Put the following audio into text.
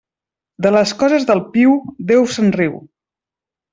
De les coses del piu, Déu se'n riu.